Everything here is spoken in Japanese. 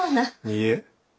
いいえ。